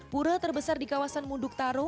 pura terbesar di kawasan munduk taro